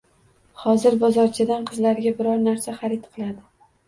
Hozir bozorchadan qizlariga biror narsa xarid qiladi